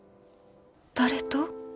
誰と？